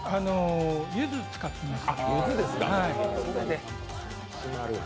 ゆず使ってます。